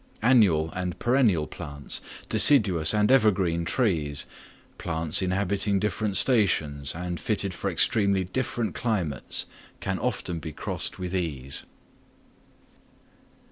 Annual and perennial plants, deciduous and evergreen trees, plants inhabiting different stations and fitted for extremely different climates, can often be crossed with ease.